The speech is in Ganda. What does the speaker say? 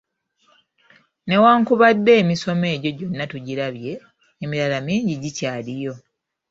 Ne wankubadde emisono egyo gyonna tugirabye, emirala mingi gikyaliyo.